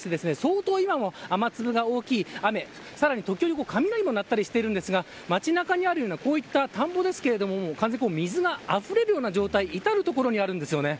そうとう今も雨粒が大きい雨さらに時折雷も鳴ったりしているんですが街中にあるような田んぼですが完全に水が触れるような状態が至る所にあるんです。